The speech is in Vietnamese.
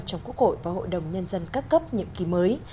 trong quốc hội và hội đồng nhân dân các cấp nhiệm kỳ mới